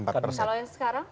kalau yang sekarang